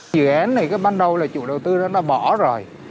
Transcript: dự án này ban đầu là chủ đầu tư đã bỏ rồi